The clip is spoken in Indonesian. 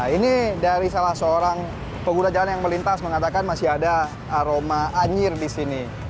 ini dari salah seorang pengguna jalan yang melintas mengatakan masih ada aroma anjir di sini